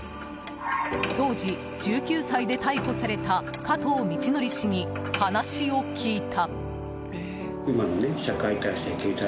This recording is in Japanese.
当時１９歳で逮捕された加藤倫教氏に話を聞いた。